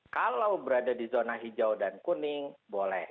kalau berada di zona hijau dan kuning boleh